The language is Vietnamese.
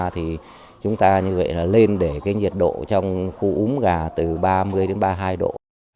thì chúng ta như vậy là lên để cái nhiệt độ trong khu gà từ ba mươi đến ba mươi hai độ